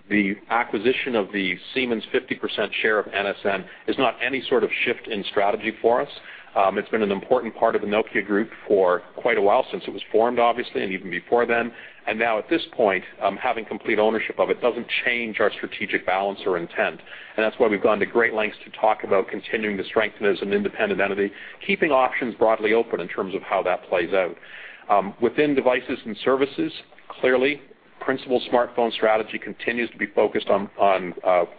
the acquisition of the Siemens 50% share of NSN is not any sort of shift in strategy for us. It's been an important part of the Nokia Group for quite a while since it was formed, obviously, and even before then. And now, at this point, having complete ownership of it doesn't change our strategic balance or intent. And that's why we've gone to great lengths to talk about continuing to strengthen as an independent entity, keeping options broadly open in terms of how that plays out. Within devices and services, clearly, principal smartphone strategy continues to be focused on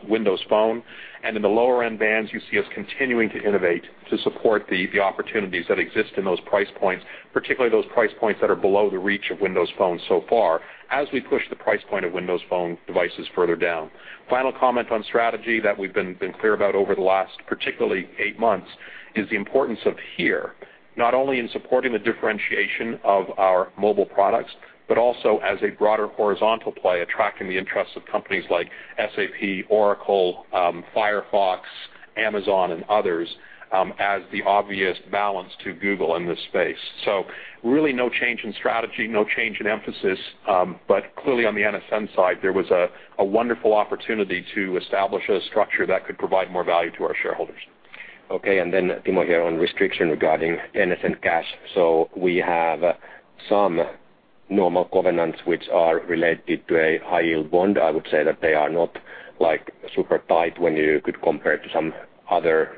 Windows Phone. In the lower-end bands, you see us continuing to innovate to support the opportunities that exist in those price points, particularly those price points that are below the reach of Windows Phone so far as we push the price point of Windows Phone devices further down. Final comment on strategy that we've been clear about over the last, particularly, eight months is the importance of HERE, not only in supporting the differentiation of our mobile products but also as a broader horizontal play attracting the interests of companies like SAP, Oracle, Firefox, Amazon, and others as the obvious balance to Google in this space. Really, no change in strategy, no change in emphasis. But clearly, on the NSN side, there was a wonderful opportunity to establish a structure that could provide more value to our shareholders. Okay. And then Timo here on restriction regarding NSN cash. So we have some normal governance which are related to a high-yield bond. I would say that they are not super tight when you could compare it to some other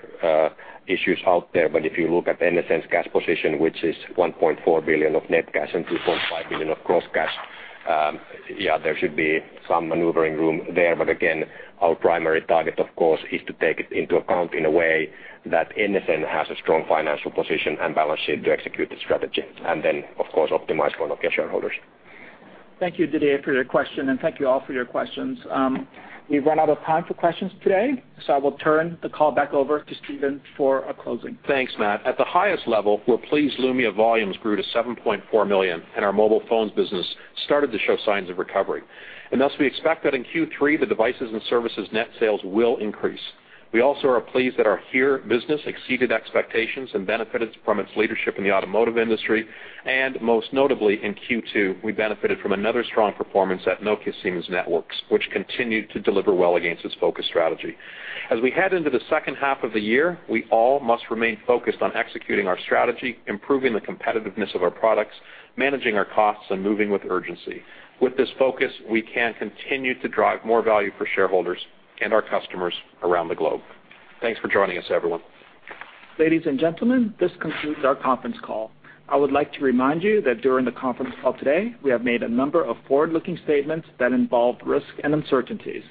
issues out there. But if you look at NSN's cash position, which is 1.4 billion of net cash and 2.5 billion of gross cash, yeah, there should be some maneuvering room there. But again, our primary target, of course, is to take it into account in a way that NSN has a strong financial position and balance sheet to execute the strategy and then, of course, optimize for Nokia shareholders. Thank you, Didier Scemama, for your question. And thank you all for your questions. We've run out of time for questions today. So I will turn the call back over to Stephen for a closing. Thanks, Matt. At the highest level, we're pleased Lumia volumes grew to 7.4 million, and our mobile phones business started to show signs of recovery. And thus, we expect that in Q3, the devices and services net sales will increase. We also are pleased that our HERE business exceeded expectations and benefited from its leadership in the automotive industry. And most notably, in Q2, we benefited from another strong performance at Nokia Siemens Networks, which continued to deliver well against its focus strategy. As we head into the second half of the year, we all must remain focused on executing our strategy, improving the competitiveness of our products, managing our costs, and moving with urgency. With this focus, we can continue to drive more value for shareholders and our customers around the globe. Thanks for joining us, everyone. Ladies and gentlemen, this concludes our conference call. I would like to remind you that during the conference call today, we have made a number of forward-looking statements that involved risk and uncertainties.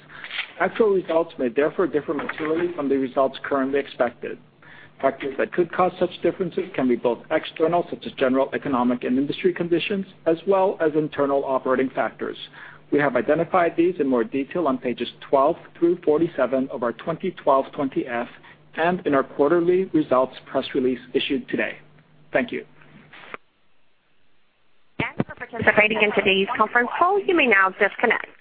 Actual results may therefore differ materially from the results currently expected. Factors that could cause such differences can be both external, such as general economic and industry conditions, as well as internal operating factors. We have identified these in more detail on pages 12 through 47 of our 2012 Form 20-F and in our quarterly results press release issued today. Thank you. Thanks for participating in today's conference call. You may now disconnect.